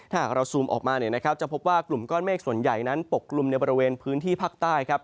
ถ้าหากเราซูมออกมาเนี่ยนะครับจะพบว่ากลุ่มก้อนเมฆส่วนใหญ่นั้นปกกลุ่มในบริเวณพื้นที่ภาคใต้ครับ